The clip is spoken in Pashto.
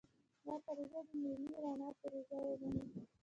دا پروژه دې د ملي رڼا پروژه ومنو.